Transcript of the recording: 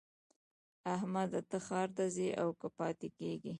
احمده! ته ښار ته ځې او که پاته کېږې؟